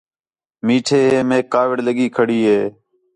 میٹھے ہے میک کاوِڑ لڳی کھڑی ہِے